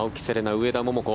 上田桃子